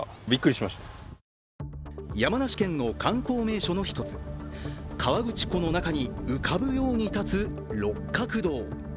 山梨県の観光名所の１つ、河口湖の中に浮かぶように建つ六角堂。